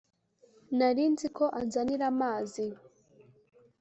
Narinziko anzanira amazi